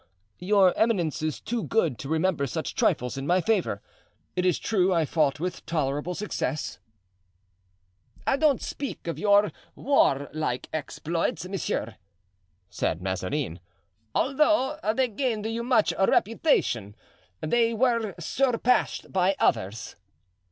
"Your eminence is too good to remember such trifles in my favor. It is true I fought with tolerable success." "I don't speak of your warlike exploits, monsieur," said Mazarin; "although they gained you much reputation, they were surpassed by others."